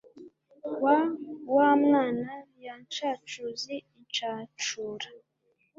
wa wamwana yancacuzi incacura